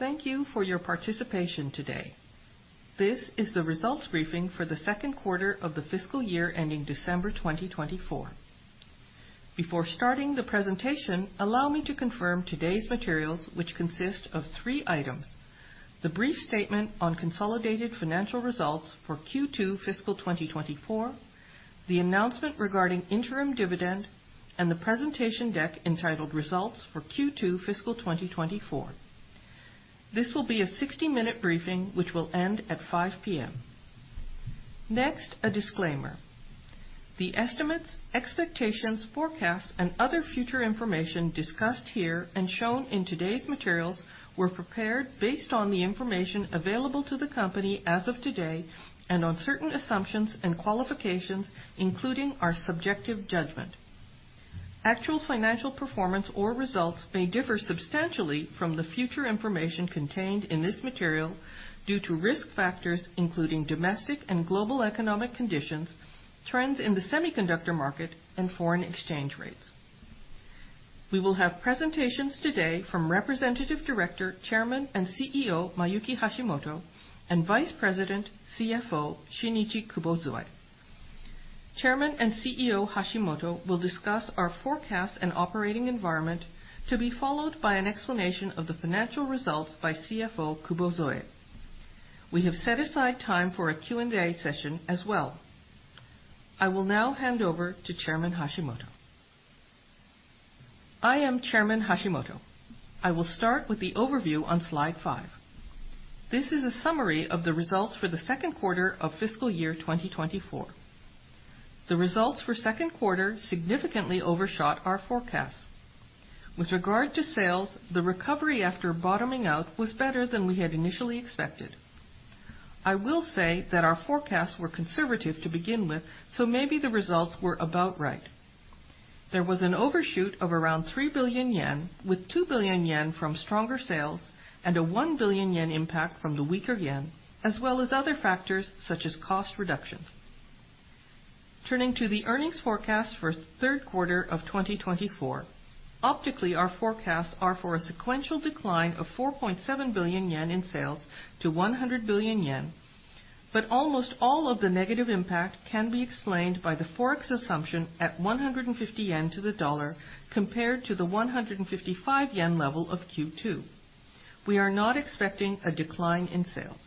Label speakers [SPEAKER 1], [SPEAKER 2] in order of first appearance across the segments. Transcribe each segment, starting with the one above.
[SPEAKER 1] ...Thank you for your participation today. This is the results briefing for the second quarter of the fiscal year ending December 2024. Before starting the presentation, allow me to confirm today's materials, which consist of 3 items: the brief statement on consolidated financial results for Q2 fiscal 2024, the announcement regarding interim dividend, and the presentation deck entitled Results for Q2 Fiscal 2024. This will be a 60-minute briefing, which will end at 5:00 P.M. Next, a disclaimer. The estimates, expectations, forecasts, and other future information discussed here and shown in today's materials were prepared based on the information available to the company as of today and on certain assumptions and qualifications, including our subjective judgment. Actual financial performance or results may differ substantially from the future information contained in this material due to risk factors including domestic and global economic conditions, trends in the semiconductor market, and foreign exchange rates. We will have presentations today from Representative Director, Chairman and CEO, Mayuki Hashimoto, and Vice President and CFO, Shinichi Kubozoe. Chairman and CEO Hashimoto will discuss our forecast and operating environment, to be followed by an explanation of the financial results by CFO Kubozoe. We have set aside time for a Q&A session as well. I will now hand over to Chairman Hashimoto. I am Chairman Hashimoto. I will start with the overview on slide 5. This is a summary of the results for the second quarter of fiscal year 2024. The results for second quarter significantly overshot our forecast. With regard to sales, the recovery after bottoming out was better than we had initially expected. I will say that our forecasts were conservative to begin with, so maybe the results were about right. There was an overshoot of around 3 billion yen, with 2 billion yen from stronger sales and a 1 billion yen impact from the weaker yen, as well as other factors such as cost reductions. Turning to the earnings forecast for third quarter of 2024, optically, our forecasts are for a sequential decline of 4.7 billion yen in sales to 100 billion yen. But almost all of the negative impact can be explained by the Forex assumption at 150 yen to the dollar, compared to the 155 yen level of Q2. We are not expecting a decline in sales.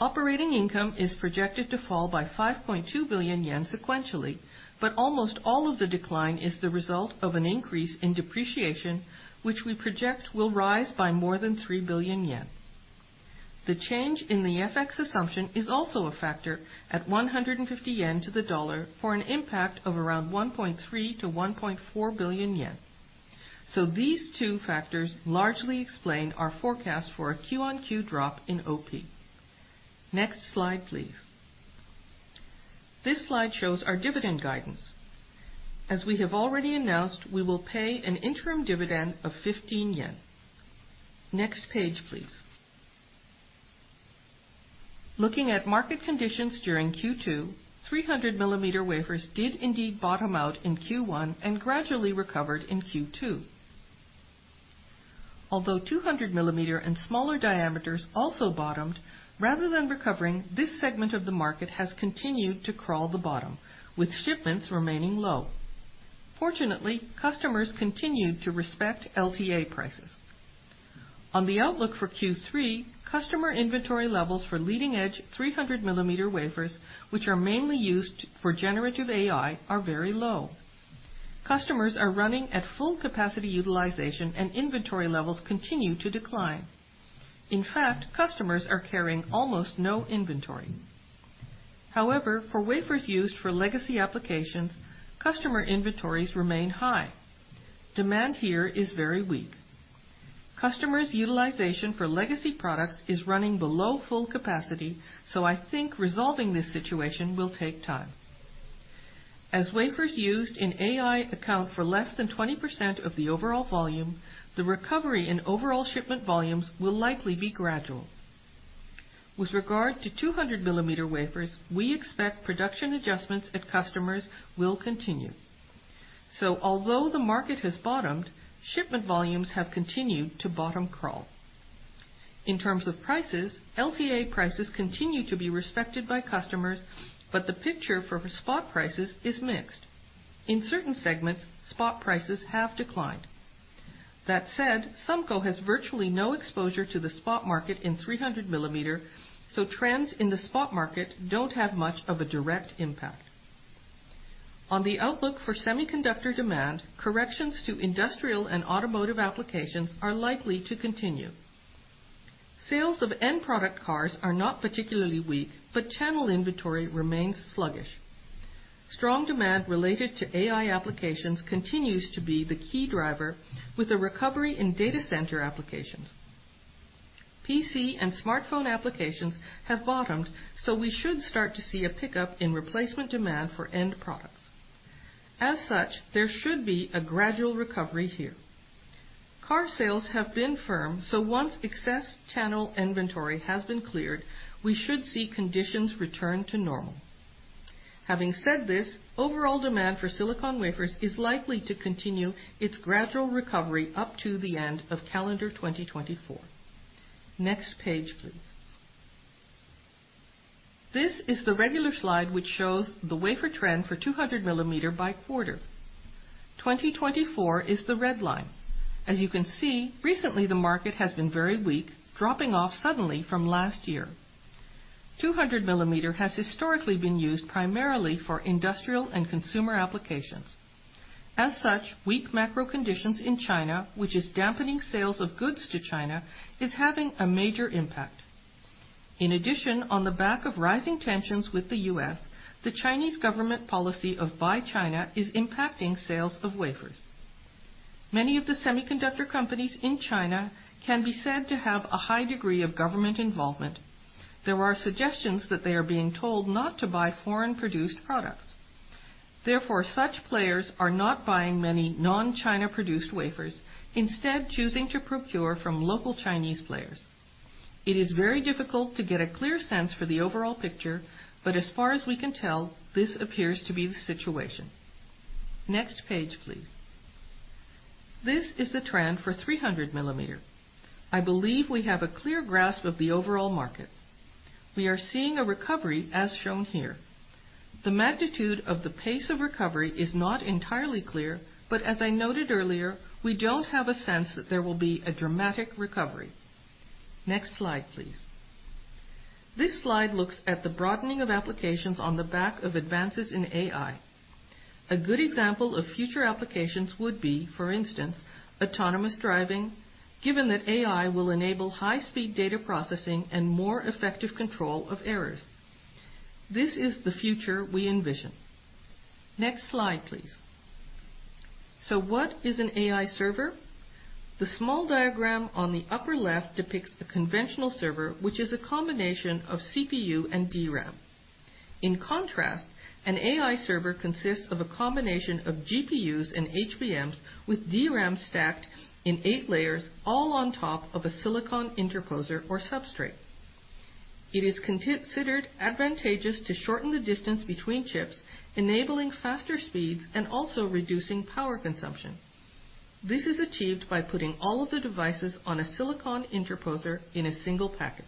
[SPEAKER 1] Operating income is projected to fall by 5.2 billion yen sequentially, but almost all of the decline is the result of an increase in depreciation, which we project will rise by more than 3 billion yen. The change in the FX assumption is also a factor at 150 yen to the dollar for an impact of around 1.3 billion-1.4 billion yen. So these two factors largely explain our forecast for a Q-on-Q drop in OP. Next slide, please. This slide shows our dividend guidance. As we have already announced, we will pay an interim dividend of 15 yen. Next page, please. Looking at market conditions during Q2, 300 millimeter wafers did indeed bottom out in Q1 and gradually recovered in Q2. Although 200-millimeter and smaller diameters also bottomed, rather than recovering, this segment of the market has continued to crawl the bottom, with shipments remaining low. Fortunately, customers continued to respect LTA prices. On the outlook for Q3, customer inventory levels for leading-edge 300-millimeter wafers, which are mainly used for generative AI, are very low. Customers are running at full capacity utilization, and inventory levels continue to decline. In fact, customers are carrying almost no inventory. However, for wafers used for legacy applications, customer inventories remain high. Demand here is very weak. Customers' utilization for legacy products is running below full capacity, so I think resolving this situation will take time. As wafers used in AI account for less than 20% of the overall volume, the recovery in overall shipment volumes will likely be gradual. With regard to 200mm wafers, we expect production adjustments at customers will continue. So although the market has bottomed, shipment volumes have continued to bottom crawl. In terms of prices, LTA prices continue to be respected by customers, but the picture for spot prices is mixed. In certain segments, spot prices have declined. That said, SUMCO has virtually no exposure to the spot market in 300mm, so trends in the spot market don't have much of a direct impact. On the outlook for semiconductor demand, corrections to industrial and automotive applications are likely to continue. Sales of end-product cars are not particularly weak, but channel inventory remains sluggish. Strong demand related to AI applications continues to be the key driver, with a recovery in data center applications. PC and smartphone applications have bottomed, so we should start to see a pickup in replacement demand for end products. As such, there should be a gradual recovery here. Car sales have been firm, so once excess channel inventory has been cleared, we should see conditions return to normal... Having said this, overall demand for silicon wafers is likely to continue its gradual recovery up to the end of calendar 2024. Next page, please. This is the regular slide, which shows the wafer trend for 200mm by quarter. 2024 is the red line. As you can see, recently, the market has been very weak, dropping off suddenly from last year. 200mm has historically been used primarily for industrial and consumer applications. As such, weak macro conditions in China, which is dampening sales of goods to China, is having a major impact. In addition, on the back of rising tensions with the U.S., the Chinese government policy of Buy China is impacting sales of wafers. Many of the semiconductor companies in China can be said to have a high degree of government involvement. There are suggestions that they are being told not to buy foreign-produced products. Therefore, such players are not buying many non-China-produced wafers, instead choosing to procure from local Chinese players. It is very difficult to get a clear sense for the overall picture, but as far as we can tell, this appears to be the situation. Next page, please. This is the trend for 300 millimeter. I believe we have a clear grasp of the overall market. We are seeing a recovery as shown here. The magnitude of the pace of recovery is not entirely clear, but as I noted earlier, we don't have a sense that there will be a dramatic recovery. Next slide, please. This slide looks at the broadening of applications on the back of advances in AI. A good example of future applications would be, for instance, autonomous driving, given that AI will enable high-speed data processing and more effective control of errors. This is the future we envision. Next slide, please. So what is an AI server? The small diagram on the upper left depicts the conventional server, which is a combination of CPU and DRAM. In contrast, an AI server consists of a combination of GPUs and HBMs, with DRAM stacked in 8 layers, all on top of a silicon interposer or substrate. It is considered advantageous to shorten the distance between chips, enabling faster speeds and also reducing power consumption. This is achieved by putting all of the devices on a silicon interposer in a single package.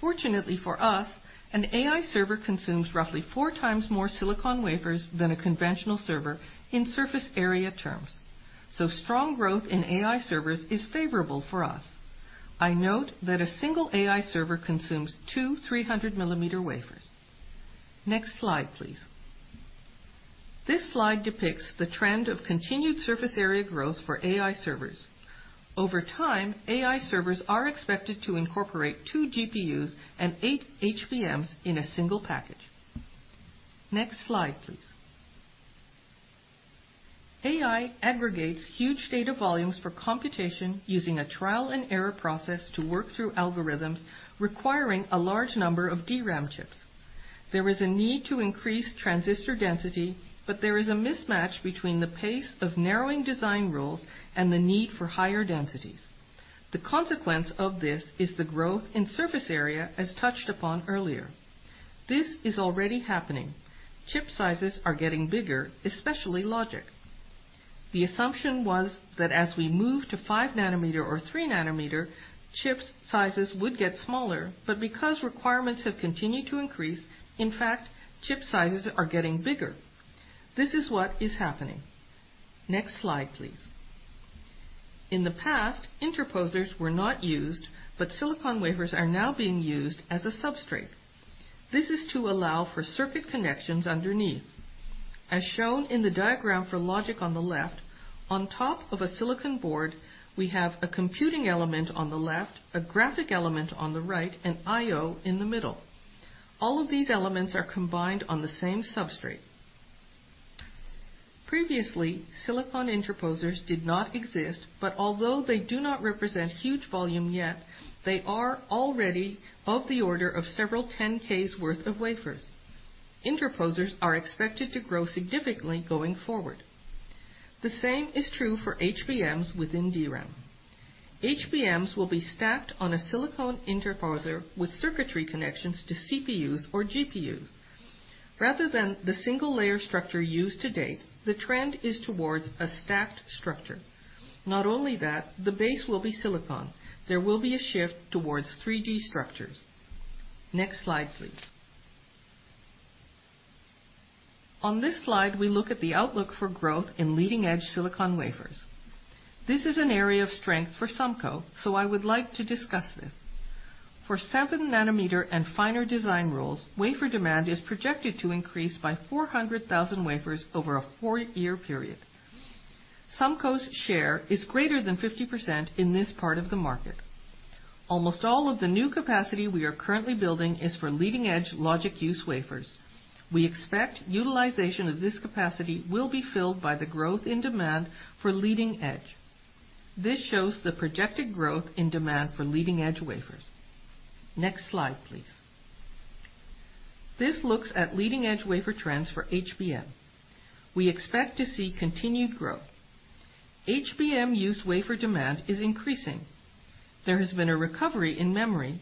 [SPEAKER 1] Fortunately for us, an AI server consumes roughly 4 times more silicon wafers than a conventional server in surface area terms, so strong growth in AI servers is favorable for us. I note that a single AI server consumes 2 300 millimeter wafers. Next slide, please. This slide depicts the trend of continued surface area growth for AI servers. Over time, AI servers are expected to incorporate 2 GPUs and 8 HBMs in a single package. Next slide, please. AI aggregates huge data volumes for computation, using a trial-and-error process to work through algorithms requiring a large number of DRAM chips. There is a need to increase transistor density, but there is a mismatch between the pace of narrowing design rules and the need for higher densities. The consequence of this is the growth in surface area, as touched upon earlier. This is already happening. Chip sizes are getting bigger, especially logic. The assumption was that as we move to 5 nanometer or 3 nanometer, chip sizes would get smaller, but because requirements have continued to increase, in fact, chip sizes are getting bigger. This is what is happening. Next slide, please. In the past, interposers were not used, but silicon wafers are now being used as a substrate. This is to allow for circuit connections underneath. As shown in the diagram for logic on the left, on top of a silicon board, we have a computing element on the left, a graphic element on the right, and I/O in the middle. All of these elements are combined on the same substrate. Previously, silicon interposers did not exist, but although they do not represent huge volume yet, they are already of the order of several 10,000s worth of wafers. Interposers are expected to grow significantly going forward. The same is true for HBMs within DRAM. HBMs will be stacked on a silicon interposer with circuitry connections to CPUs or GPUs. Rather than the single-layer structure used to date, the trend is towards a stacked structure. Not only that, the base will be silicon. There will be a shift towards 3D structures. Next slide, please. On this slide, we look at the outlook for growth in leading-edge silicon wafers. This is an area of strength for SUMCO, so I would like to discuss this. For 7 nanometer and finer design rules, wafer demand is projected to increase by 400,000 wafers over a four-year period. SUMCO's share is greater than 50% in this part of the market. Almost all of the new capacity we are currently building is for leading-edge logic use wafers. We expect utilization of this capacity will be filled by the growth in demand for leading edge. This shows the projected growth in demand for leading-edge wafers. Next slide, please. This looks at leading-edge wafer trends for HBM. We expect to see continued growth. HBM use wafer demand is increasing. There has been a recovery in memory.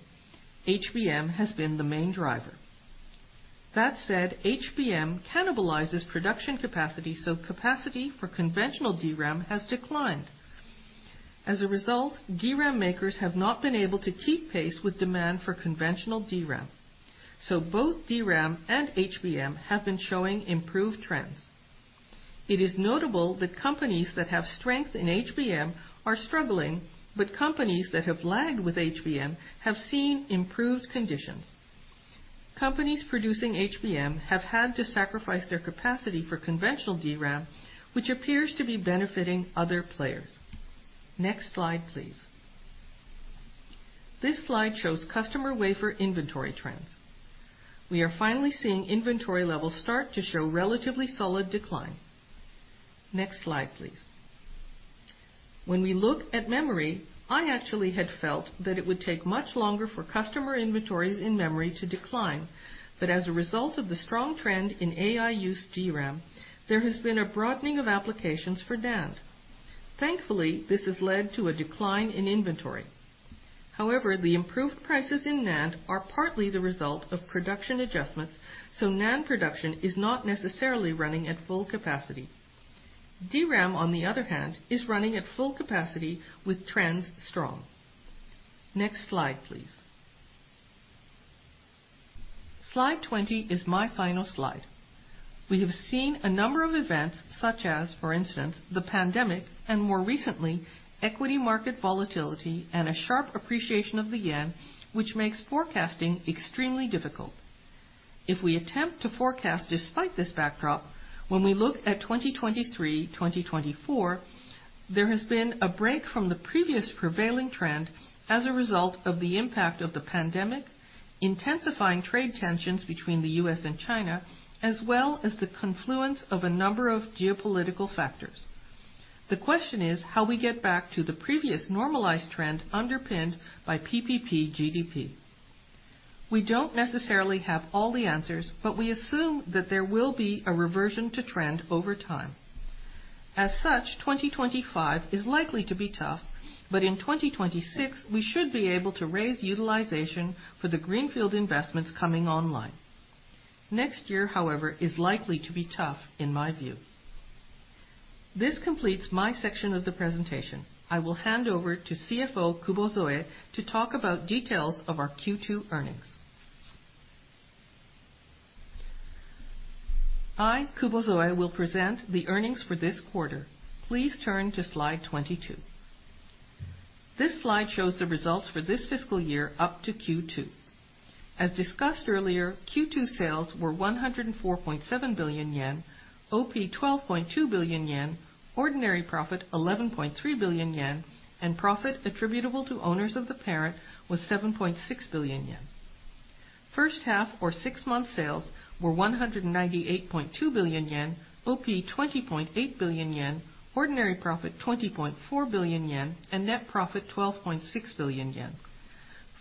[SPEAKER 1] HBM has been the main driver. That said, HBM cannibalizes production capacity, so capacity for conventional DRAM has declined. As a result, DRAM makers have not been able to keep pace with demand for conventional DRAM, so both DRAM and HBM have been showing improved trends. It is notable that companies that have strength in HBM are struggling, but companies that have lagged with HBM have seen improved conditions. Companies producing HBM have had to sacrifice their capacity for conventional DRAM, which appears to be benefiting other players. Next slide, please. This slide shows customer wafer inventory trends. We are finally seeing inventory levels start to show relatively solid decline. Next slide, please. When we look at memory, I actually had felt that it would take much longer for customer inventories in memory to decline. But as a result of the strong trend in AI use DRAM, there has been a broadening of applications for NAND. Thankfully, this has led to a decline in inventory. However, the improved prices in NAND are partly the result of production adjustments, so NAND production is not necessarily running at full capacity. DRAM, on the other hand, is running at full capacity with trends strong. Next slide, please. Slide 20 is my final slide. We have seen a number of events such as, for instance, the pandemic and more recently, equity market volatility and a sharp appreciation of the yen, which makes forecasting extremely difficult. If we attempt to forecast despite this backdrop, when we look at 2023, 2024, there has been a break from the previous prevailing trend as a result of the impact of the pandemic, intensifying trade tensions between the US and China, as well as the confluence of a number of geopolitical factors. The question is how we get back to the previous normalized trend underpinned by PPP GDP. We don't necessarily have all the answers, but we assume that there will be a reversion to trend over time. As such, 2025 is likely to be tough, but in 2026, we should be able to raise utilization for the greenfield investments coming online. Next year, however, is likely to be tough in my view. This completes my section of the presentation. I will hand over to CFO Kubozoe to talk about details of our Q2 earnings. I, Kubozoe, will present the earnings for this quarter. Please turn to slide 22. This slide shows the results for this fiscal year up to Q2. As discussed earlier, Q2 sales were 104.7 billion yen, OP, 12.2 billion yen, ordinary profit, 11.3 billion yen, and profit attributable to owners of the parent was 7.6 billion yen. First half or six-month sales were 198.2 billion yen, OP, 20.8 billion yen, ordinary profit, 20.4 billion yen, and net profit, 12.6 billion yen.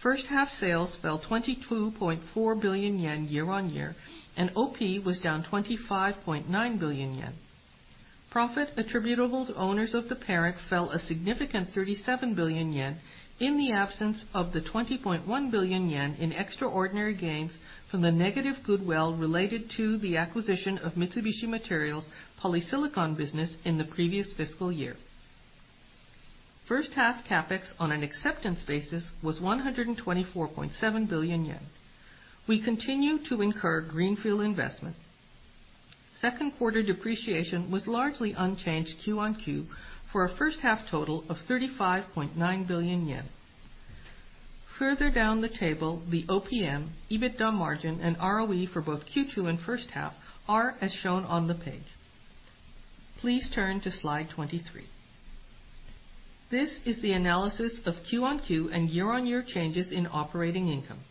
[SPEAKER 1] First half sales fell 22.4 billion yen year-on-year, and OP was down 25.9 billion yen. Profit attributable to owners of the parent fell a significant 37 billion yen in the absence of the 20.1 billion yen in extraordinary gains from the negative goodwill related to the acquisition of Mitsubishi Materials polysilicon business in the previous fiscal year. First half CapEx on an acceptance basis was 124.7 billion yen. We continue to incur greenfield investment. Second quarter depreciation was largely unchanged Q-on-Q for a first half total of 35.9 billion yen. Further down the table, the OPM, EBITDA margin, and ROE for both Q2 and first half are as shown on the page. Please turn to slide 23. This is the analysis of Q-on-Q and year-on-year changes in operating income.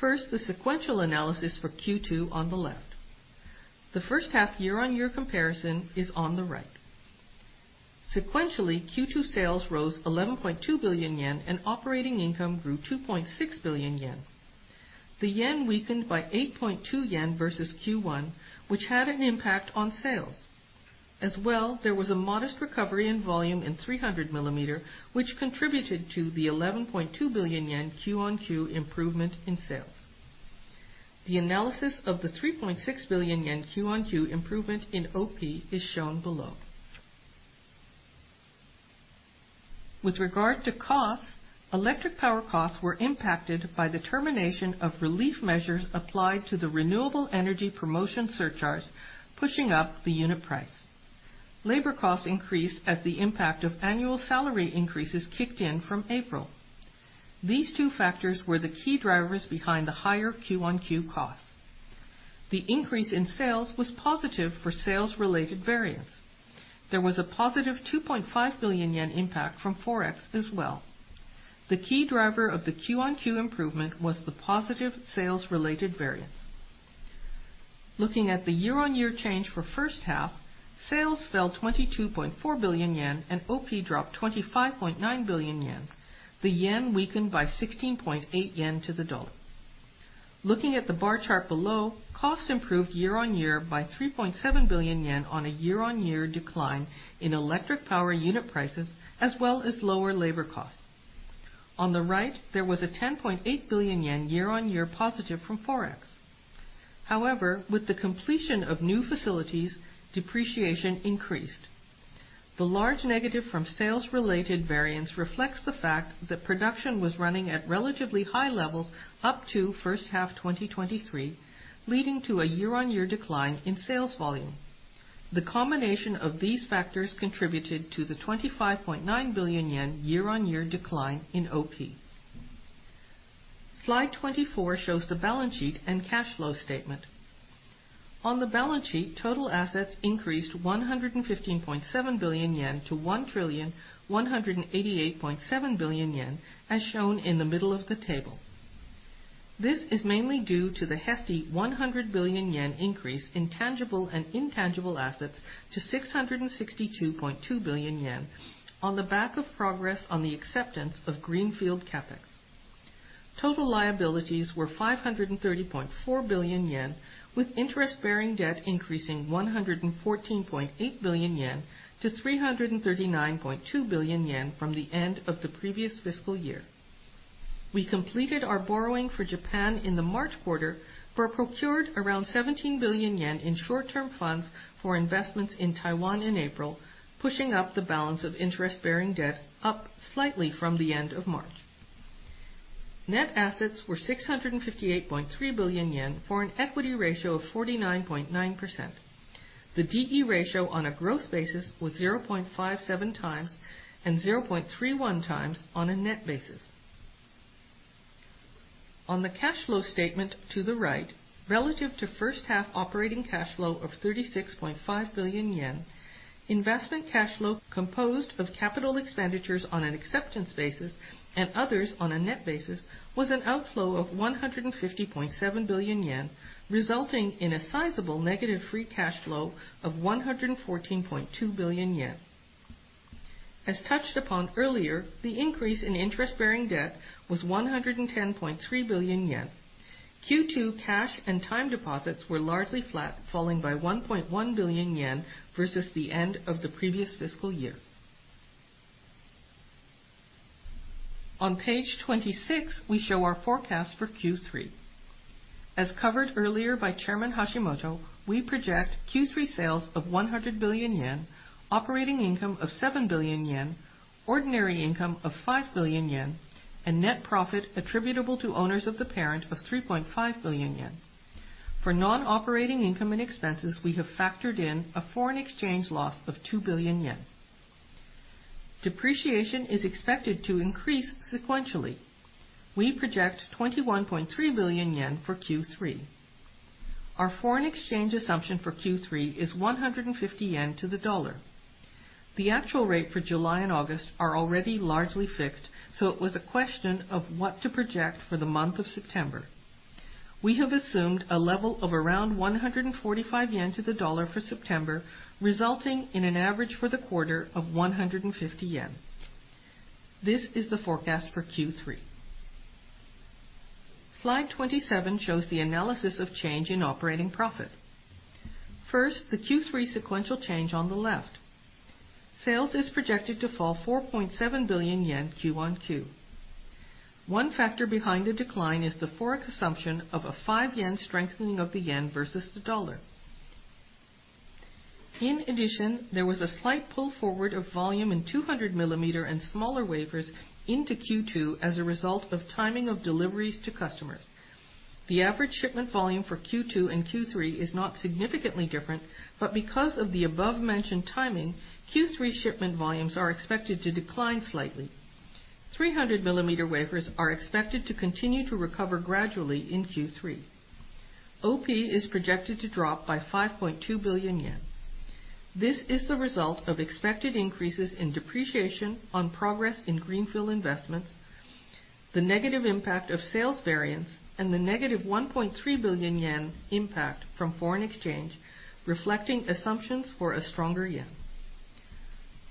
[SPEAKER 1] First, the sequential analysis for Q2 on the left. The first half year-on-year comparison is on the right. Sequentially, Q2 sales rose 11.2 billion yen, and operating income grew 2.6 billion yen. The yen weakened by 8.2 yen versus Q1, which had an impact on sales. As well, there was a modest recovery in volume in 300 millimeter, which contributed to the 11.2 billion yen Q-on-Q improvement in sales. The analysis of the 3.6 billion yen Q-on-Q improvement in OP is shown below. With regard to costs, electric power costs were impacted by the termination of relief measures applied to the renewable energy promotion surcharges, pushing up the unit price. Labor costs increased as the impact of annual salary increases kicked in from April. These two factors were the key drivers behind the higher Q-on-Q costs. The increase in sales was positive for sales-related variance. There was a positive 2.5 billion yen impact from forex as well. The key driver of the Q-on-Q improvement was the positive sales-related variance... Looking at the year-on-year change for first half, sales fell 22.4 billion yen, and OP dropped 25.9 billion yen. The yen weakened by 16.8 yen to the dollar. Looking at the bar chart below, costs improved year-on-year by 3.7 billion yen on a year-on-year decline in electric power unit prices, as well as lower labor costs. On the right, there was a 10.8 billion yen year-on-year positive from Forex. However, with the completion of new facilities, depreciation increased. The large negative from sales-related variance reflects the fact that production was running at relatively high levels up to first half 2023, leading to a year-on-year decline in sales volume. The combination of these factors contributed to the 25.9 billion yen year-on-year decline in OP. Slide 24 shows the balance sheet and cash flow statement. On the balance sheet, total assets increased 115.7 billion yen to 1,188.7 billion yen, as shown in the middle of the table. This is mainly due to the hefty 100 billion yen increase in tangible and intangible assets to 662.2 billion yen on the back of progress on the acceptance of greenfield CapEx. Total liabilities were 530.4 billion yen, with interest-bearing debt increasing 114.8 billion yen to 339.2 billion yen from the end of the previous fiscal year. We completed our borrowing for Japan in the March quarter, but procured around 17 billion yen in short-term funds for investments in Taiwan in April, pushing up the balance of interest-bearing debt up slightly from the end of March. Net assets were 658.3 billion yen, for an equity ratio of 49.9%. The DE ratio on a gross basis was 0.57 times, and 0.31 times on a net basis. On the cash flow statement to the right, relative to first half operating cash flow of 36.5 billion yen, investment cash flow, composed of capital expenditures on an acceptance basis and others on a net basis, was an outflow of 150.7 billion yen, resulting in a sizable negative free cash flow of 114.2 billion yen. As touched upon earlier, the increase in interest-bearing debt was 110.3 billion yen. Q2 cash and time deposits were largely flat, falling by 1.1 billion yen versus the end of the previous fiscal year. On page 26, we show our forecast for Q3. As covered earlier by Chairman Hashimoto, we project Q3 sales of 100 billion yen, operating income of 7 billion yen, ordinary income of 5 billion yen, and net profit attributable to owners of the parent of 3.5 billion yen. For non-operating income and expenses, we have factored in a foreign exchange loss of 2 billion yen. Depreciation is expected to increase sequentially. We project 21.3 billion yen for Q3. Our foreign exchange assumption for Q3 is 150 yen to the dollar. The actual rate for July and August are already largely fixed, so it was a question of what to project for the month of September. We have assumed a level of around 145 yen to the dollar for September, resulting in an average for the quarter of 150 yen. This is the forecast for Q3. Slide 27 shows the analysis of change in operating profit. First, the Q3 sequential change on the left. Sales is projected to fall 4.7 billion yen Q-on-Q. One factor behind the decline is the Forex assumption of a 5-yen strengthening of the yen versus the dollar. In addition, there was a slight pull forward of volume in 200 mm and smaller wafers into Q2 as a result of timing of deliveries to customers. The average shipment volume for Q2 and Q3 is not significantly different, but because of the above-mentioned timing, Q3 shipment volumes are expected to decline slightly. 300mm wafers are expected to continue to recover gradually in Q3. OP is projected to drop by 5.2 billion yen. This is the result of expected increases in depreciation on progress in greenfield investments, the negative impact of sales variance, and the negative 1.3 billion yen impact from foreign exchange, reflecting assumptions for a stronger yen.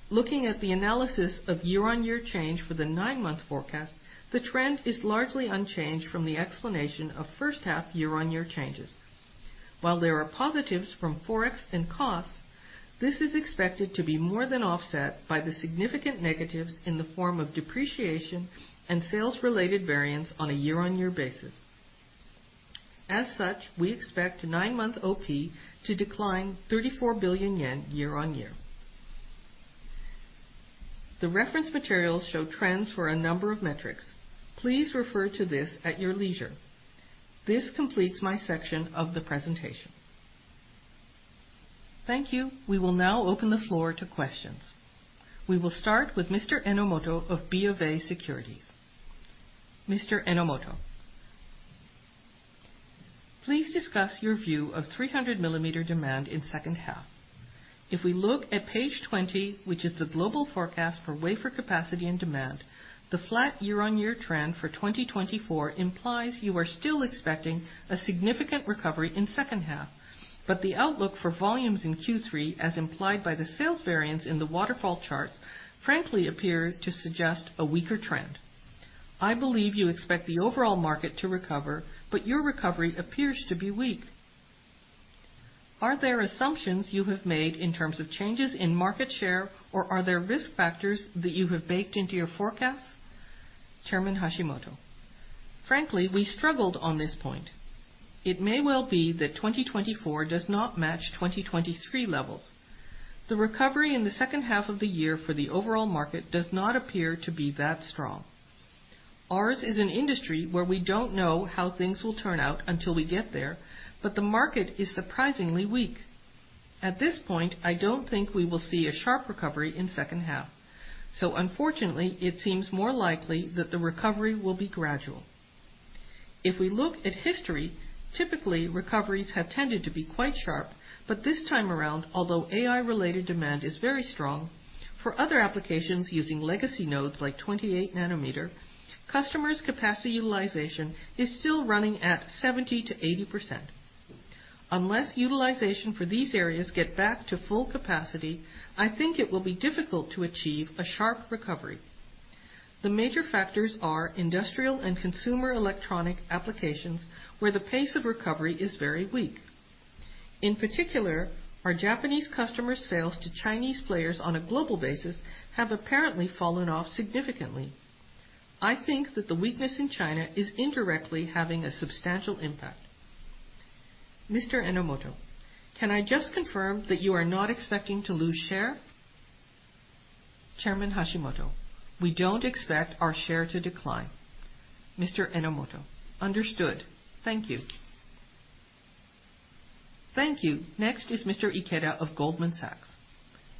[SPEAKER 1] Looking at the analysis of year-over-year change for the nine-month forecast, the trend is largely unchanged from the explanation of first half year-over-year changes. While there are positives from Forex and costs, this is expected to be more than offset by the significant negatives in the form of depreciation and sales-related variance on a year-over-year basis. As such, we expect nine-month OP to decline 34 billion yen year-over-year. The reference materials show trends for a number of metrics. Please refer to this at your leisure. This completes my section of the presentation. Thank you. We will now open the floor to questions. We will start with Mr. Enomoto of BofA Securities. Mr. Enomoto. Please discuss your view of 300 millimeter demand in second half. If we look at page 20, which is the global forecast for wafer capacity and demand, the flat year-on-year trend for 2024 implies you are still expecting a significant recovery in second half. But the outlook for volumes in Q3, as implied by the sales variance in the waterfall charts, frankly, appear to suggest a weaker trend. I believe you expect the overall market to recover, but your recovery appears to be weak. Are there assumptions you have made in terms of changes in market share, or are there risk factors that you have baked into your forecast? Chairman Hashimoto: Frankly, we struggled on this point. It may well be that 2024 does not match 2023 levels. The recovery in the second half of the year for the overall market does not appear to be that strong. Ours is an industry where we don't know how things will turn out until we get there, but the market is surprisingly weak. At this point, I don't think we will see a sharp recovery in second half, so unfortunately, it seems more likely that the recovery will be gradual. If we look at history, typically, recoveries have tended to be quite sharp, but this time around, although AI-related demand is very strong, for other applications using legacy nodes like 28 nanometer, customers' capacity utilization is still running at 70%-80%. Unless utilization for these areas get back to full capacity, I think it will be difficult to achieve a sharp recovery. The major factors are industrial and consumer electronic applications, where the pace of recovery is very weak. In particular, our Japanese customers' sales to Chinese players on a global basis have apparently fallen off significantly. I think that the weakness in China is indirectly having a substantial impact. Mr. Enomoto, can I just confirm that you are not expecting to lose share? Chairman Hashimoto: We don't expect our share to decline. Mr. Enomoto: Understood. Thank you. Thank you. Next is Mr. Ikeda of Goldman Sachs.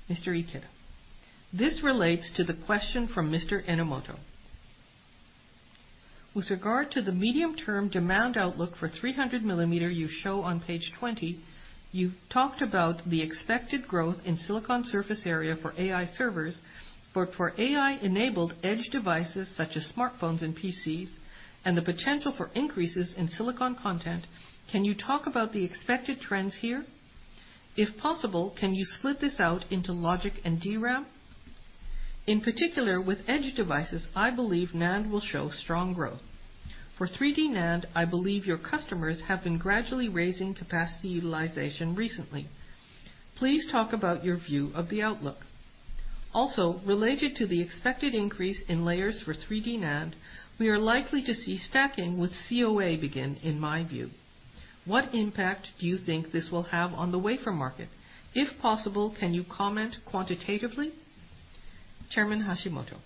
[SPEAKER 1] Mr. Ikeda. This relates to the question from Mr. Enomoto. With regard to the medium-term demand outlook for 300 millimeter you show on page 20, you've talked about the expected growth in silicon surface area for AI servers, but for AI-enabled edge devices, such as smartphones and PCs, and the potential for increases in silicon content, can you talk about the expected trends here? If possible, can you split this out into logic and DRAM? In particular, with edge devices, I believe NAND will show strong growth. For 3D NAND, I believe your customers have been gradually raising capacity utilization recently. Please talk about your view of the outlook. Also, related to the expected increase in layers for 3D NAND, we are likely to see stacking with CUA begin, in my view. What impact do you think this will have on the wafer market? If possible, can you comment quantitatively? Chairman Hashimoto: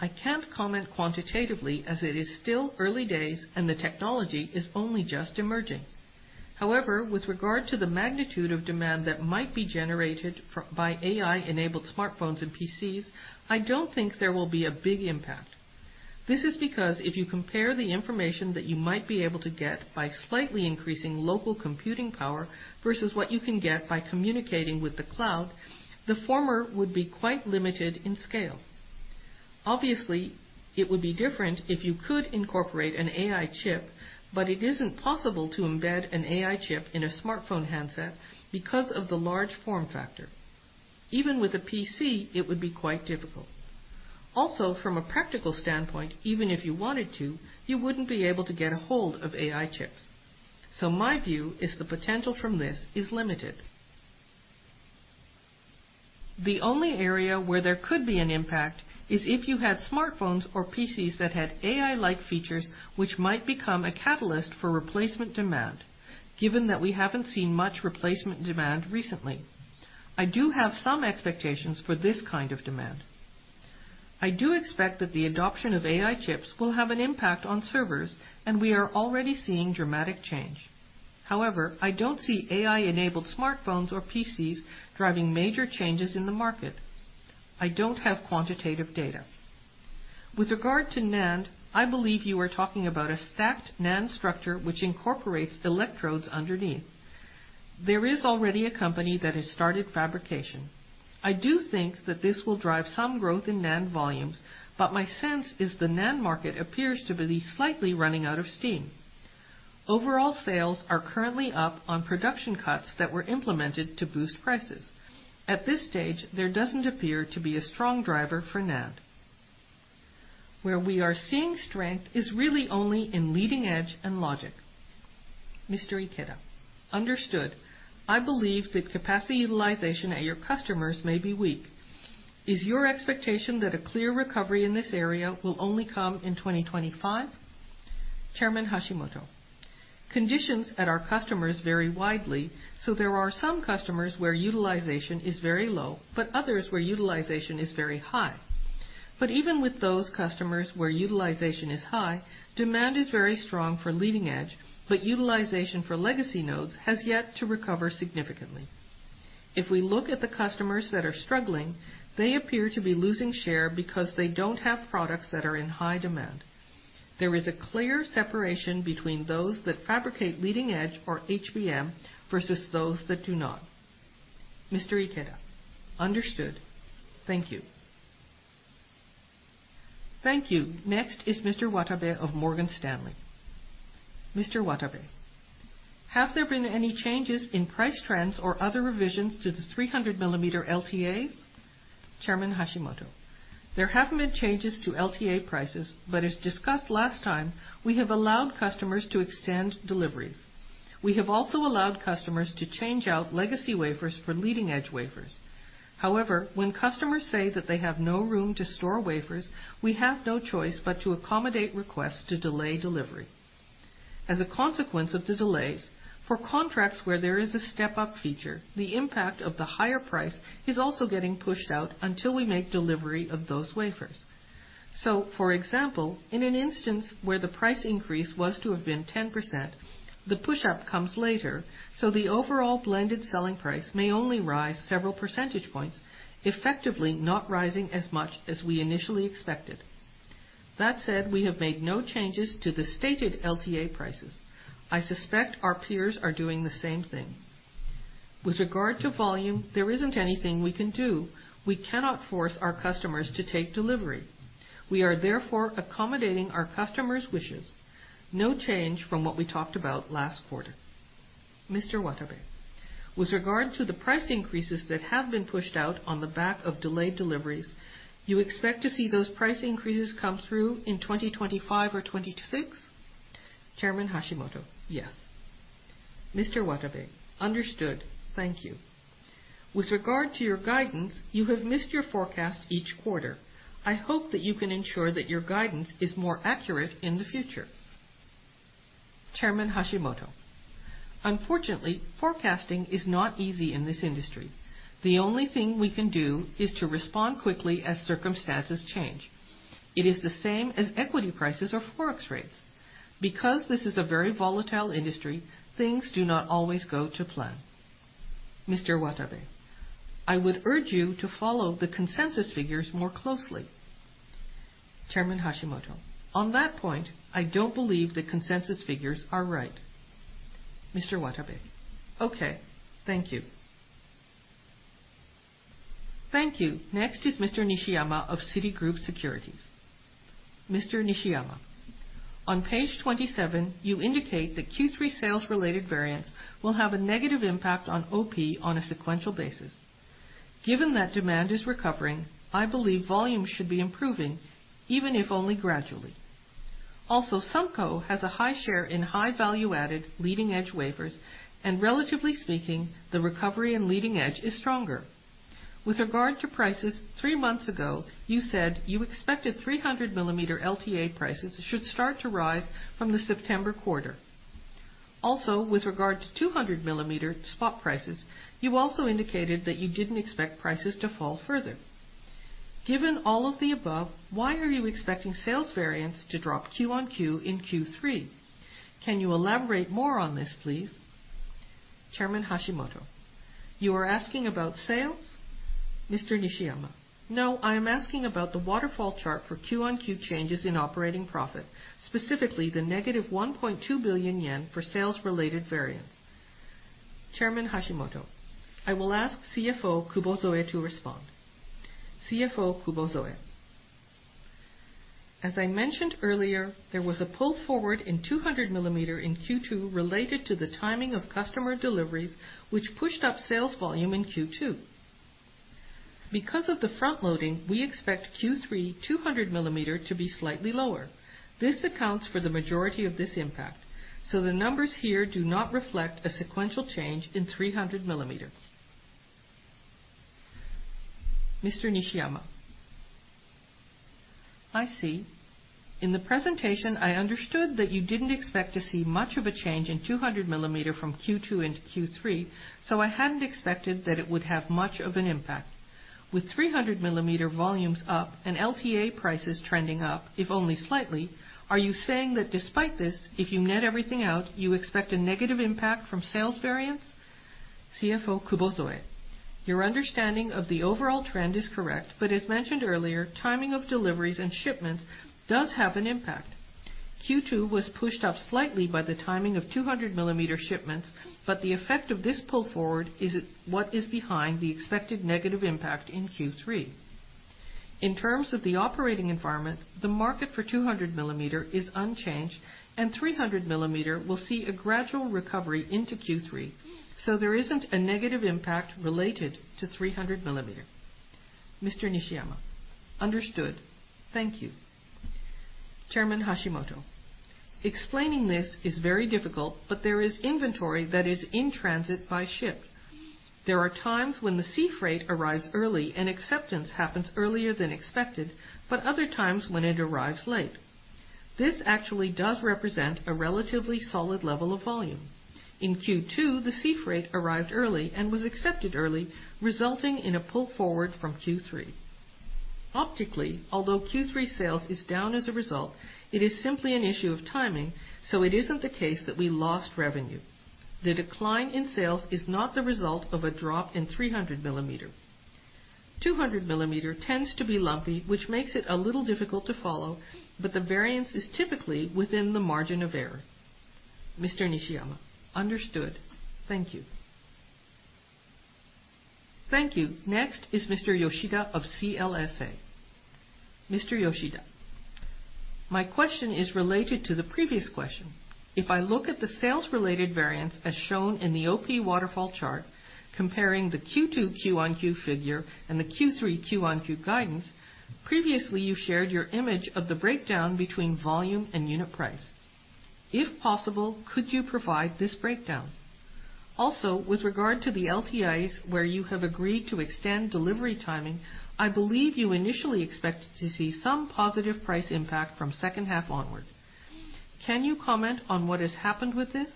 [SPEAKER 1] I can't comment quantitatively as it is still early days and the technology is only just emerging. However, with regard to the magnitude of demand that might be generated by AI-enabled smartphones and PCs, I don't think there will be a big impact. This is because if you compare the information that you might be able to get by slightly increasing local computing power versus what you can get by communicating with the cloud, the former would be quite limited in scale. Obviously, it would be different if you could incorporate an AI chip, but it isn't possible to embed an AI chip in a smartphone handset because of the large form factor. Even with a PC, it would be quite difficult. Also, from a practical standpoint, even if you wanted to, you wouldn't be able to get a hold of AI chips. So my view is the potential from this is limited. The only area where there could be an impact is if you had smartphones or PCs that had AI-like features, which might become a catalyst for replacement demand, given that we haven't seen much replacement demand recently. I do have some expectations for this kind of demand. I do expect that the adoption of AI chips will have an impact on servers, and we are already seeing dramatic change. However, I don't see AI-enabled smartphones or PCs driving major changes in the market. I don't have quantitative data. With regard to NAND, I believe you are talking about a stacked NAND structure, which incorporates electrodes underneath. There is already a company that has started fabrication. I do think that this will drive some growth in NAND volumes, but my sense is the NAND market appears to be slightly running out of steam. Overall, sales are currently up on production cuts that were implemented to boost prices. At this stage, there doesn't appear to be a strong driver for NAND. Where we are seeing strength is really only in leading edge and logic. Mr. Ikeda: Understood. I believe that capacity utilization at your customers may be weak. Is your expectation that a clear recovery in this area will only come in 2025? Chairman Hashimoto: Conditions at our customers vary widely, so there are some customers where utilization is very low, but others where utilization is very high. But even with those customers where utilization is high, demand is very strong for leading-edge, but utilization for legacy nodes has yet to recover significantly. If we look at the customers that are struggling, they appear to be losing share because they don't have products that are in high demand.... There is a clear separation between those that fabricate leading-edge or HBM versus those that do not. Mr. Ikeda? Understood. Thank you. Thank you. Next is Mr. Watabe of Morgan Stanley. Mr. Watabe. Have there been any changes in price trends or other revisions to the 300mm LTAs? Chairman Hashimoto. There haven't been changes to LTA prices, but as discussed last time, we have allowed customers to extend deliveries. We have also allowed customers to change out legacy wafers for leading-edge wafers. However, when customers say that they have no room to store wafers, we have no choice but to accommodate requests to delay delivery. As a consequence of the delays, for contracts where there is a step-up feature, the impact of the higher price is also getting pushed out until we make delivery of those wafers. So, for example, in an instance where the price increase was to have been 10%, the push-up comes later, so the overall blended selling price may only rise several percentage points, effectively not rising as much as we initially expected. That said, we have made no changes to the stated LTA prices. I suspect our peers are doing the same thing. With regard to volume, there isn't anything we can do. We cannot force our customers to take delivery. We are therefore accommodating our customers' wishes. No change from what we talked about last quarter. Mr. Watabe. With regard to the price increases that have been pushed out on the back of delayed deliveries, you expect to see those price increases come through in 2025 or 2026? Chairman Hashimoto. Yes. Mr. Watabe. Understood. Thank you. With regard to your guidance, you have missed your forecast each quarter. I hope that you can ensure that your guidance is more accurate in the future. Chairman Hashimoto. Unfortunately, forecasting is not easy in this industry. The only thing we can do is to respond quickly as circumstances change. It is the same as equity prices or Forex rates. Because this is a very volatile industry, things do not always go to plan. Mr. Watabe. I would urge you to follow the consensus figures more closely. Chairman Hashimoto. On that point, I don't believe the consensus figures are right. Mr. Watabe. Okay. Thank you. Thank you. Next is Mr. Nishiyama of Citigroup Securities. Mr. Nishiyama. On page 27, you indicate that Q3 sales-related variance will have a negative impact on OP on a sequential basis. Given that demand is recovering, I believe volume should be improving, even if only gradually. Also, Sumco has a high share in high value-added leading-edge wafers, and relatively speaking, the recovery in leading edge is stronger. With regard to prices, three months ago, you said you expected 300 millimeter LTA prices should start to rise from the September quarter. Also, with regard to 200 millimeter spot prices, you also indicated that you didn't expect prices to fall further. Given all of the above, why are you expecting sales variance to drop Q-on-Q in Q3? Can you elaborate more on this, please? Chairman Hashimoto, you are asking about sales? Mr. Nishiyama. No, I am asking about the waterfall chart for Q-on-Q changes in operating profit, specifically the -1.2 billion yen for sales-related variance. Chairman Hashimoto, I will ask CFO Kubozoe to respond. CFO Kubozoe. As I mentioned earlier, there was a pull forward in 200 millimeter in Q2 related to the timing of customer deliveries, which pushed up sales volume in Q2. Because of the front loading, we expect Q3 200 millimeter to be slightly lower. This accounts for the majority of this impact, so the numbers here do not reflect a sequential change in 300 millimeter. Mr. Nishiyama. I see. In the presentation, I understood that you didn't expect to see much of a change in 200 millimeter from Q2 into Q3, so I hadn't expected that it would have much of an impact. With 300 millimeter volumes up and LTA prices trending up, if only slightly, are you saying that despite this, if you net everything out, you expect a negative impact from sales variance? CFO Kubozoe. Your understanding of the overall trend is correct, but as mentioned earlier, timing of deliveries and shipments does have an impact. Q2 was pushed up slightly by the timing of 200 millimeter shipments, but the effect of this pull forward is what is behind the expected negative impact in Q3. In terms of the operating environment, the market for 200 millimeter is unchanged, and 300 millimeter will see a gradual recovery into Q3, so there isn't a negative impact related to 300 millimeter. Mr. Nishiyama. Understood. Thank you. Chairman Hashimoto. Explaining this is very difficult, but there is inventory that is in transit by ship. There are times when the sea freight arrives early and acceptance happens earlier than expected, but other times when it arrives late. This actually does represent a relatively solid level of volume. In Q2, the sea freight arrived early and was accepted early, resulting in a pull forward from Q3. Optically, although Q3 sales is down as a result, it is simply an issue of timing, so it isn't the case that we lost revenue. The decline in sales is not the result of a drop in 300 millimeter. 200 millimeter tends to be lumpy, which makes it a little difficult to follow, but the variance is typically within the margin of error. Mr. Nishiyama: Understood. Thank you. Thank you. Next is Mr. Yoshida of CLSA. Mr. Yoshida: My question is related to the previous question. If I look at the sales-related variance as shown in the OP waterfall chart, comparing the Q2 Q-on-Q figure and the Q3 Q-on-Q guidance, previously, you shared your image of the breakdown between volume and unit price. If possible, could you provide this breakdown? Also, with regard to the LTAs, where you have agreed to extend delivery timing, I believe you initially expected to see some positive price impact from second half onward. Can you comment on what has happened with this?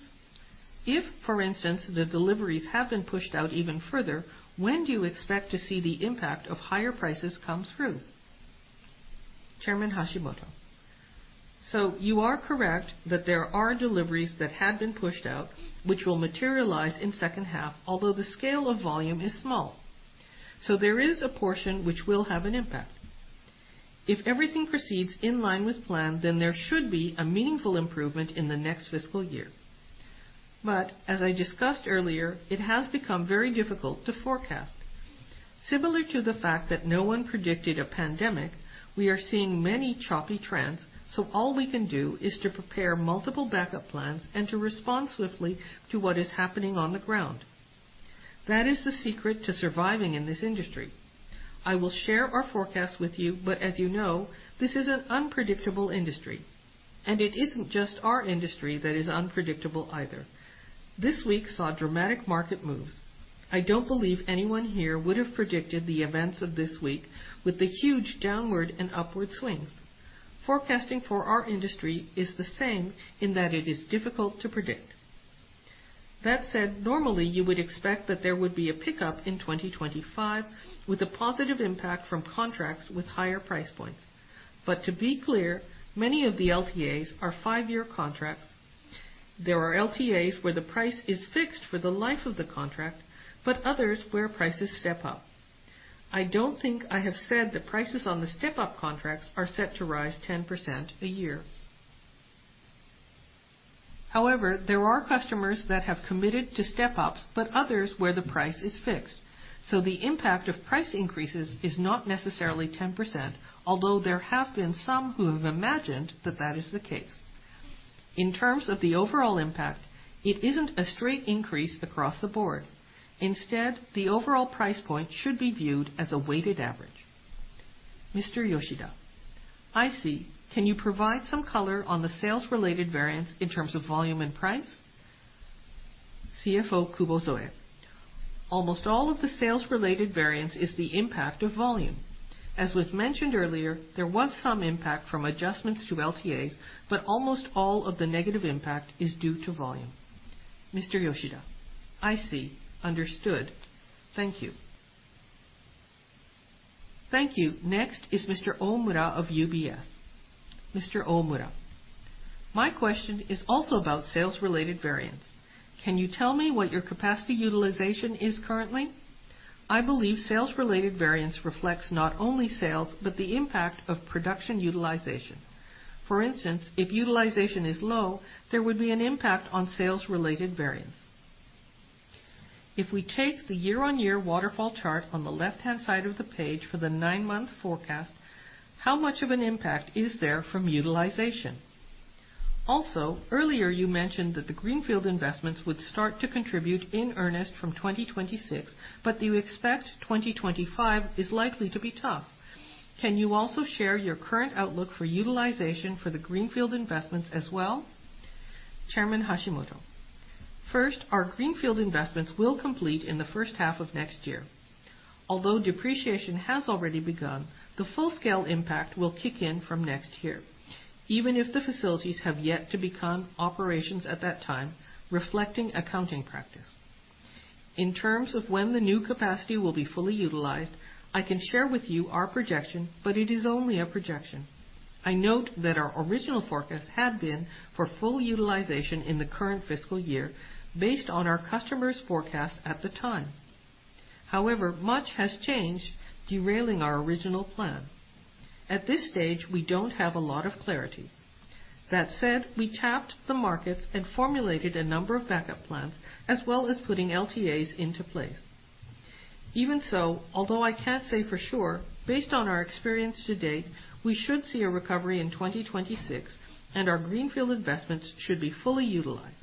[SPEAKER 1] If, for instance, the deliveries have been pushed out even further, when do you expect to see the impact of higher prices come through? Chairman Hashimoto: So you are correct that there are deliveries that had been pushed out, which will materialize in second half, although the scale of volume is small. So there is a portion which will have an impact. If everything proceeds in line with plan, then there should be a meaningful improvement in the next fiscal year. But as I discussed earlier, it has become very difficult to forecast. Similar to the fact that no one predicted a pandemic, we are seeing many choppy trends, so all we can do is to prepare multiple backup plans and to respond swiftly to what is happening on the ground. That is the secret to surviving in this industry. I will share our forecast with you, but as you know, this is an unpredictable industry, and it isn't just our industry that is unpredictable either. This week saw dramatic market moves. I don't believe anyone here would have predicted the events of this week with the huge downward and upward swings. Forecasting for our industry is the same in that it is difficult to predict. That said, normally, you would expect that there would be a pickup in 2025, with a positive impact from contracts with higher price points. But to be clear, many of the LTAs are five-year contracts. There are LTAs where the price is fixed for the life of the contract, but others where prices step up. I don't think I have said the prices on the step-up contracts are set to rise 10% a year. However, there are customers that have committed to step-ups, but others where the price is fixed, so the impact of price increases is not necessarily 10%, although there have been some who have imagined that that is the case. In terms of the overall impact, it isn't a straight increase across the board. Instead, the overall price point should be viewed as a weighted average. Mr. Yoshida: I see. Can you provide some color on the sales-related variance in terms of volume and price? CFO Kubozoe: Almost all of the sales-related variance is the impact of volume. As was mentioned earlier, there was some impact from adjustments to LTAs, but almost all of the negative impact is due to volume. Mr. Yoshida: I see. Understood. Thank you. Thank you. Next is Mr. Omura of UBS. Mr. Omura: My question is also about sales-related variance. Can you tell me what your capacity utilization is currently? I believe sales-related variance reflects not only sales, but the impact of production utilization. For instance, if utilization is low, there would be an impact on sales-related variance. If we take the year-on-year waterfall chart on the left-hand side of the page for the nine-month forecast, how much of an impact is there from utilization? Also, earlier, you mentioned that the greenfield investments would start to contribute in earnest from 2026, but you expect 2025 is likely to be tough. Can you also share your current outlook for utilization for the greenfield investments as well? Chairman Hashimoto: First, our greenfield investments will complete in the first half of next year. Although depreciation has already begun, the full-scale impact will kick in from next year, even if the facilities have yet to become operations at that time, reflecting accounting practice. In terms of when the new capacity will be fully utilized, I can share with you our projection, but it is only a projection. I note that our original forecast had been for full utilization in the current fiscal year based on our customers' forecast at the time. However, much has changed, derailing our original plan. At this stage, we don't have a lot of clarity. That said, we tapped the markets and formulated a number of backup plans, as well as putting LTAs into place. Even so, although I can't say for sure, based on our experience to date, we should see a recovery in 2026, and our greenfield investments should be fully utilized.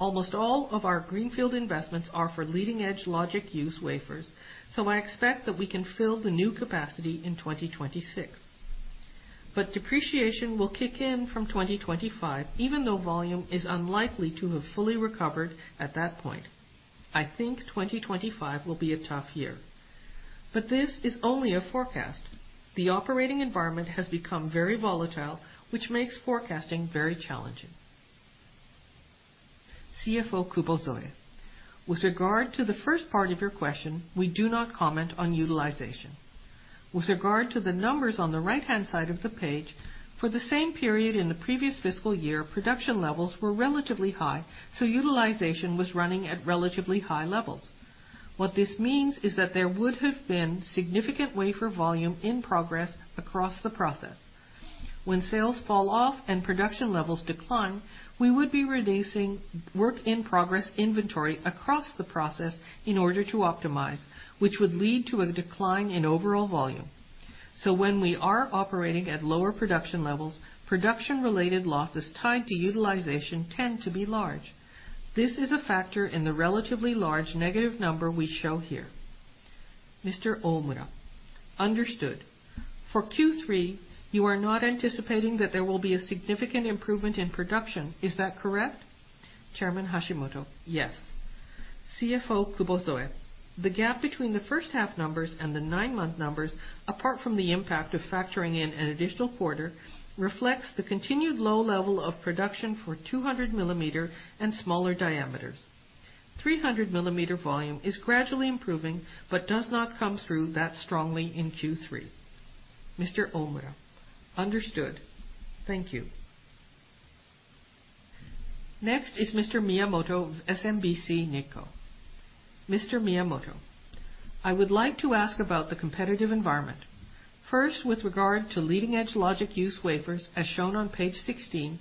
[SPEAKER 1] Almost all of our greenfield investments are for leading-edge logic use wafers, so I expect that we can fill the new capacity in 2026. But depreciation will kick in from 2025, even though volume is unlikely to have fully recovered at that point. I think 2025 will be a tough year, but this is only a forecast. The operating environment has become very volatile, which makes forecasting very challenging. CFO Kubozoe: With regard to the first part of your question, we do not comment on utilization... With regard to the numbers on the right-hand side of the page, for the same period in the previous fiscal year, production levels were relatively high, so utilization was running at relatively high levels. What this means is that there would have been significant wafer volume in progress across the process. When sales fall off and production levels decline, we would be reducing work-in-progress inventory across the process in order to optimize, which would lead to a decline in overall volume. So when we are operating at lower production levels, production-related losses tied to utilization tend to be large. This is a factor in the relatively large negative number we show here. Mr. Omura: Understood. For Q3, you are not anticipating that there will be a significant improvement in production, is that correct? Chairman Hashimoto: Yes. CFO Kubozoe: the gap between the first half numbers and the nine-month numbers, apart from the impact of factoring in an additional quarter, reflects the continued low level of production for 200 millimeter and smaller diameters. 300 millimeter volume is gradually improving, but does not come through that strongly in Q3. Mr. Omura: Understood. Thank you. Next is Mr. Miyamoto of SMBC Nikko. Mr. Miyamoto, I would like to ask about the competitive environment. First, with regard to leading-edge logic use wafers, as shown on page 16,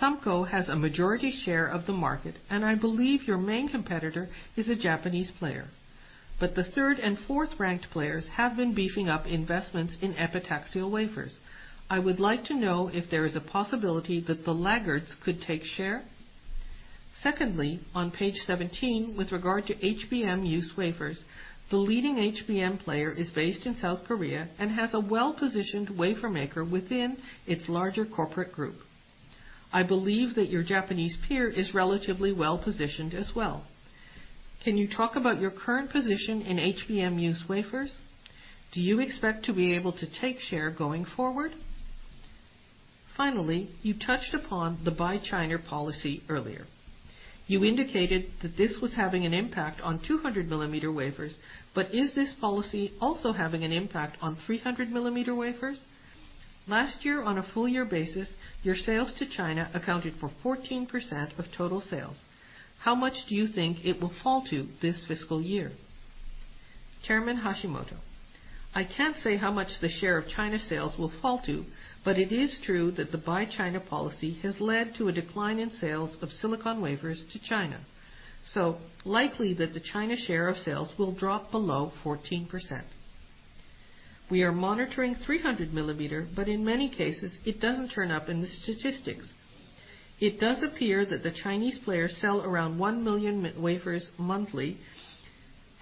[SPEAKER 1] SUMCO has a majority share of the market, and I believe your main competitor is a Japanese player. But the third and fourth-ranked players have been beefing up investments in epitaxial wafers. I would like to know if there is a possibility that the laggards could take share. Secondly, on page 17, with regard to HBM use wafers, the leading HBM player is based in South Korea and has a well-positioned wafer maker within its larger corporate group. I believe that your Japanese peer is relatively well-positioned as well. Can you talk about your current position in HBM use wafers? Do you expect to be able to take share going forward? Finally, you touched upon the Buy China policy earlier. You indicated that this was having an impact on 200 millimeter wafers, but is this policy also having an impact on 300 millimeter wafers? Last year, on a full year basis, your sales to China accounted for 14% of total sales. How much do you think it will fall to this fiscal year? Chairman Hashimoto, I can't say how much the share of China sales will fall to, but it is true that the Buy China policy has led to a decline in sales of silicon wafers to China, so likely that the China share of sales will drop below 14%. We are monitoring 300 millimeter, but in many cases, it doesn't turn up in the statistics. It does appear that the Chinese players sell around 1 million wafers monthly,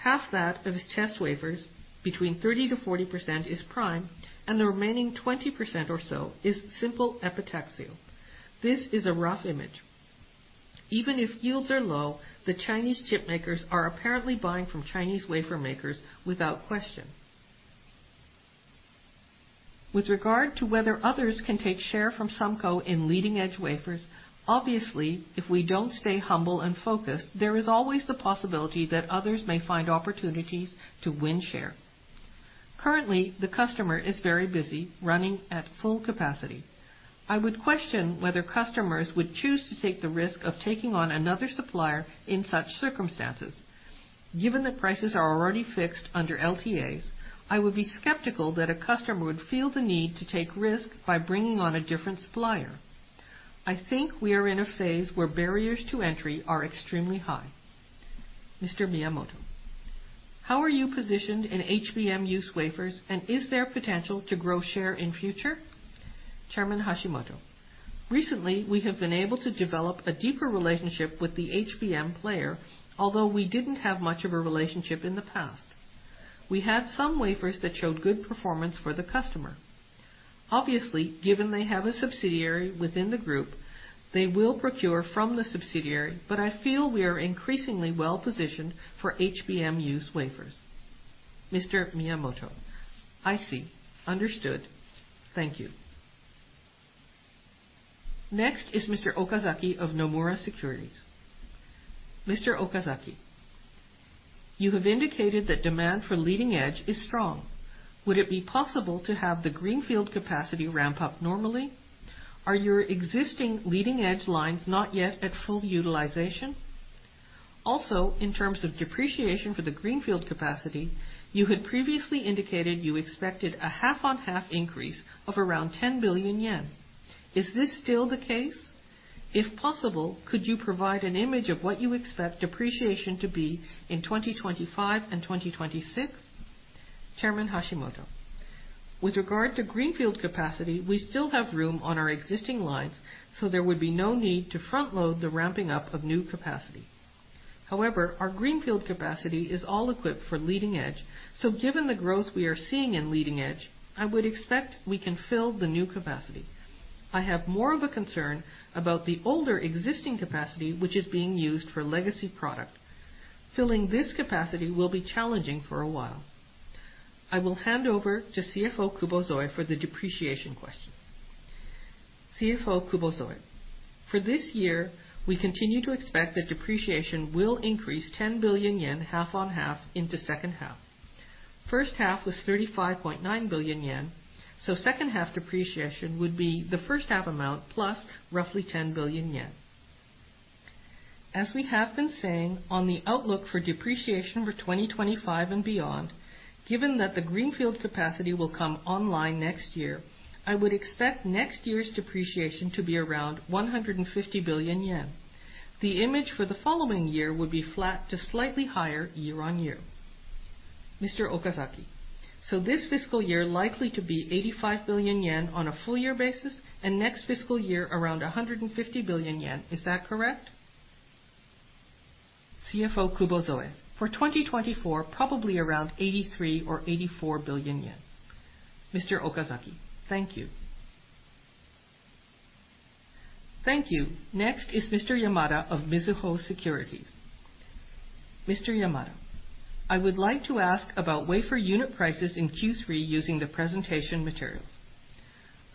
[SPEAKER 1] half that of test wafers, between 30%-40% is prime, and the remaining 20% or so is simple epitaxial. This is a rough image. Even if yields are low, the Chinese chip makers are apparently buying from Chinese wafer makers without question. With regard to whether others can take share from SUMCO in leading edge wafers, obviously, if we don't stay humble and focused, there is always the possibility that others may find opportunities to win share. Currently, the customer is very busy running at full capacity. I would question whether customers would choose to take the risk of taking on another supplier in such circumstances. Given that prices are already fixed under LTAs, I would be skeptical that a customer would feel the need to take risk by bringing on a different supplier. I think we are in a phase where barriers to entry are extremely high. Mr. Miyamoto, how are you positioned in HBM-use wafers, and is there potential to grow share in future? Chairman Hashimoto, recently, we have been able to develop a deeper relationship with the HBM player, although we didn't have much of a relationship in the past. We had some wafers that showed good performance for the customer. Obviously, given they have a subsidiary within the group, they will procure from the subsidiary, but I feel we are increasingly well-positioned for HBM-use wafers. Mr. Miyamoto: I see. Understood. Thank you. Next is Mr. Okazaki of Nomura Securities. Mr. Okazaki, you have indicated that demand for leading-edge is strong. Would it be possible to have the greenfield capacity ramp up normally? Are your existing leading-edge lines not yet at full utilization? Also, in terms of depreciation for the greenfield capacity, you had previously indicated you expected a half-on-half increase of around 10 billion yen. Is this still the case? If possible, could you provide an image of what you expect depreciation to be in 2025 and 2026? Chairman Hashimoto: With regard to greenfield capacity, we still have room on our existing lines, so there would be no need to front-load the ramping up of new capacity. However, our greenfield capacity is all equipped for leading edge, so given the growth we are seeing in leading edge, I would expect we can fill the new capacity. I have more of a concern about the older existing capacity, which is being used for legacy product. Filling this capacity will be challenging for a while. I will hand over to CFO Kubozoue for the depreciation question. CFO Kubozoue. For this year, we continue to expect that depreciation will increase 10 billion yen, half on half into second half. First half was 35.9 billion yen, so second half depreciation would be the first half amount plus roughly 10 billion yen. As we have been saying, on the outlook for depreciation for 2025 and beyond, given that the greenfield capacity will come online next year, I would expect next year's depreciation to be around 150 billion yen. The image for the following year would be flat to slightly higher year-on-year. Mr. Okazaki: "So this fiscal year likely to be 85 billion yen on a full year basis, and next fiscal year, around 150 billion yen. Is that correct?" CFO Kubozoe: For 2024, probably around 83 or 84 billion yen. Mr. Okazaki: "Thank you." Thank you. Next is Mr. Yamada of Mizuho Securities. Mr. Yamada: "I would like to ask about wafer unit prices in Q3 using the presentation materials.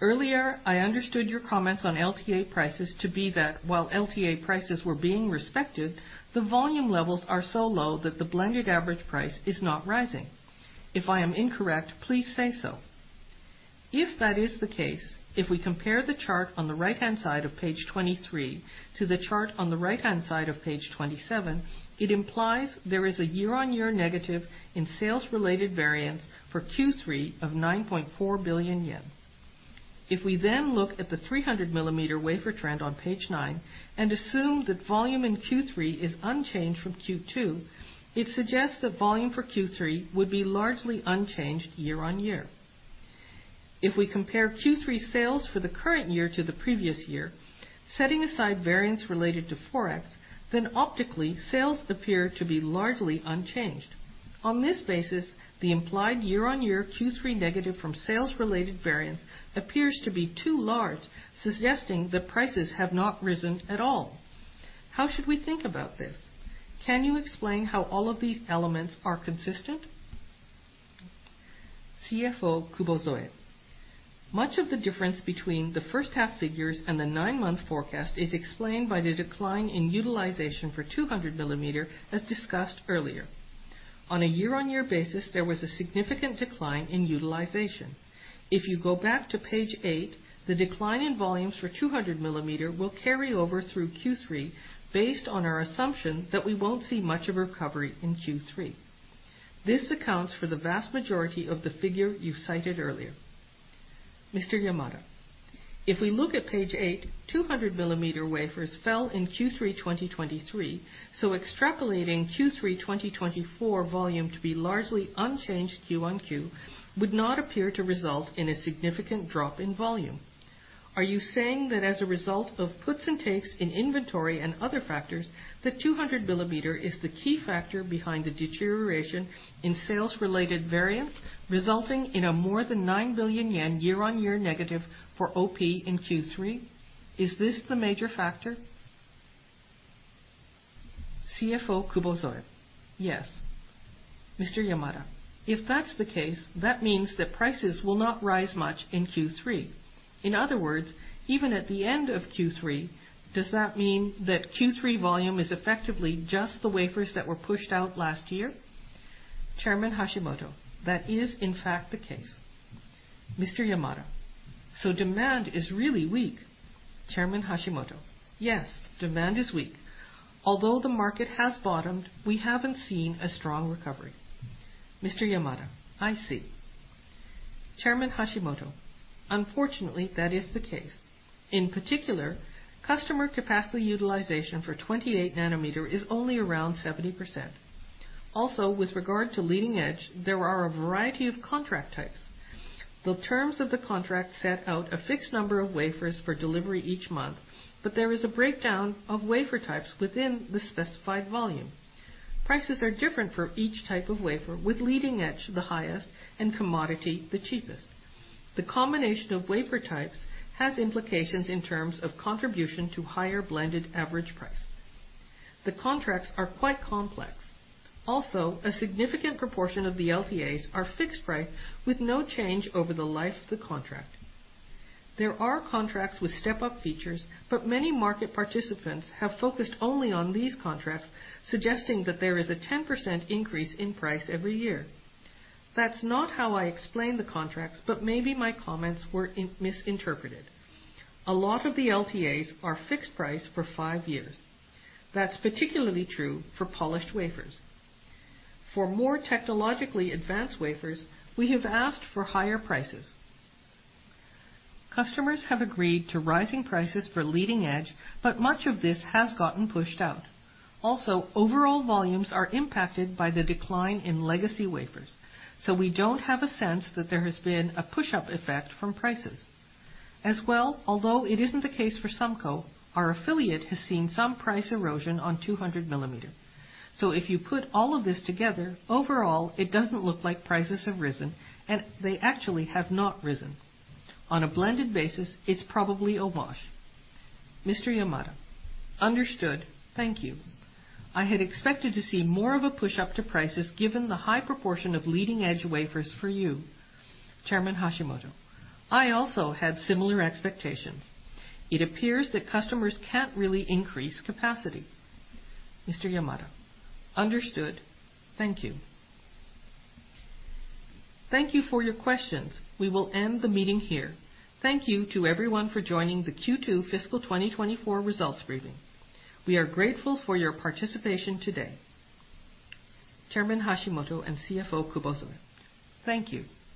[SPEAKER 1] Earlier, I understood your comments on LTA prices to be that while LTA prices were being respected, the volume levels are so low that the blended average price is not rising. If I am incorrect, please say so. If that is the case, if we compare the chart on the right-hand side of page 23 to the chart on the right-hand side of page 27, it implies there is a year-over-year negative in sales-related variance for Q3 of 9.4 billion yen. If we then look at the 300mm wafer trend on page 9 and assume that volume in Q3 is unchanged from Q2, it suggests that volume for Q3 would be largely unchanged year-over-year. If we compare Q3 sales for the current year to the previous year, setting aside variance related to Forex, then optically, sales appear to be largely unchanged. On this basis, the implied year-on-year Q3 negative from sales-related variance appears to be too large, suggesting that prices have not risen at all. How should we think about this? Can you explain how all of these elements are consistent? CFO Kubozoe: Much of the difference between the first half figures and the nine-month forecast is explained by the decline in utilization for 200 millimeter, as discussed earlier. On a year-on-year basis, there was a significant decline in utilization. If you go back to page 8, the decline in volumes for 200 millimeter will carry over through Q3, based on our assumption that we won't see much of a recovery in Q3. This accounts for the vast majority of the figure you cited earlier. Mr. Yamada: "If we look at page 8, 200 millimeter wafers fell in Q3 2023, so extrapolating Q3 2024 volume to be largely unchanged QoQ would not appear to result in a significant drop in volume. Are you saying that as a result of puts and takes in inventory and other factors, the 200 millimeter is the key factor behind the deterioration in sales-related variance, resulting in a more than 9 billion yen year-on-year negative for OP in Q3? Is this the major factor?" CFO Kubozoe: Yes. Mr. Yamada: "If that's the case, that means that prices will not rise much in Q3. In other words, even at the end of Q3, does that mean that Q3 volume is effectively just the wafers that were pushed out last year? Chairman Hashimoto: That is, in fact, the case. Mr. Yamada: "So demand is really weak." Chairman Hashimoto: Yes, demand is weak. Although the market has bottomed, we haven't seen a strong recovery. Mr. Yamada: "I see." Chairman Hashimoto: Unfortunately, that is the case. In particular, customer capacity utilization for 28 nanometer is only around 70%. Also, with regard to leading edge, there are a variety of contract types. The terms of the contract set out a fixed number of wafers for delivery each month, but there is a breakdown of wafer types within the specified volume. Prices are different for each type of wafer, with leading edge, the highest, and commodity, the cheapest. The combination of wafer types has implications in terms of contribution to higher blended average price. The contracts are quite complex. Also, a significant proportion of the LTAs are fixed price with no change over the life of the contract. There are contracts with step-up features, but many market participants have focused only on these contracts, suggesting that there is a 10% increase in price every year. That's not how I explained the contracts, but maybe my comments were misinterpreted. A lot of the LTAs are fixed price for five years. That's particularly true for polished wafers. For more technologically advanced wafers, we have asked for higher prices. Customers have agreed to rising prices for leading edge, but much of this has gotten pushed out. Also, overall volumes are impacted by the decline in legacy wafers, so we don't have a sense that there has been a push-up effect from prices. As well, although it isn't the case for SUMCO, our affiliate has seen some price erosion on 200 millimeter. So if you put all of this together, overall, it doesn't look like prices have risen, and they actually have not risen. On a blended basis, it's probably a wash. Mr. Yamada: "Understood. Thank you. I had expected to see more of a pushup to prices, given the high proportion of leading-edge wafers for you." Chairman Hashimoto: I also had similar expectations. It appears that customers can't really increase capacity. Mr. Yamada: "Understood. Thank you." Thank you for your questions. We will end the meeting here. Thank you to everyone for joining the Q2 fiscal 2024 results briefing. We are grateful for your participation today. Chairman Hashimoto and CFO Kubozoe: Thank you.